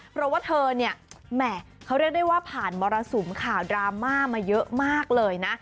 เพราะว่าเธอเนี่ยแหม่เขาเรียกได้ว่าผ่านมรสุมข่าวดราม่ามาเยอะมากเลยนะ